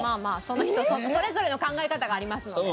その人それぞれの考え方がありますので。